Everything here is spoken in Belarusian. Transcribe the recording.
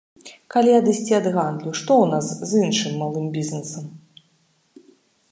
Калі адысці ад гандлю, што ў нас з іншым малым бізнесам?